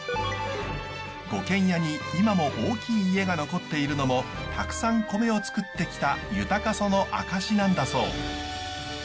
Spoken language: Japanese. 五軒屋に今も大きい家が残っているのもたくさん米をつくってきた豊かさの証しなんだそう。